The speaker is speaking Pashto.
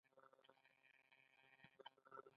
دريم ور ودانګل او ورته يې وويل چې دا څه صفتونه دي.